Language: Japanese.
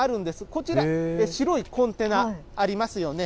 こちら、白いコンテナありますよね。